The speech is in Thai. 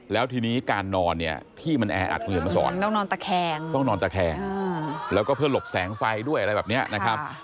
แล้วทีนี้การนอนที่มันแออัดเงินมาสอนต้องนอนตะแคงแล้วก็เพื่อหลบแสงไฟด้วยอะไรแบบนี้นะครับ